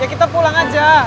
ya kita pulang aja